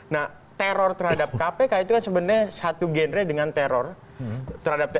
nah teror terhadap kpk itu kan sebenarnya satu genre dengan teror terhadap kpk